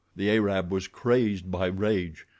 The Arab was crazed by rage.